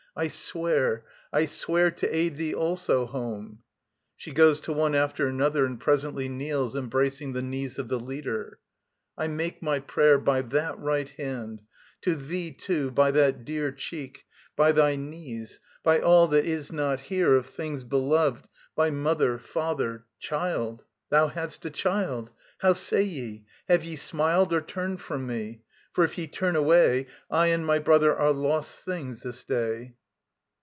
I swear, I swear To aid thee also home ... [she goes to one after another, and presently kneels embracing the knees of the LEADER.] I make my prayer By that right hand; to thee, too, by that dear Cheek; by thy knees; by all that is not here Of things beloved, by mother, father, child Thou hadst a child! How say ye? Have ye smiled Or turned from me? For if ye turn away, I and my brother are lost things this day.